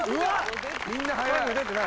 みんな速い！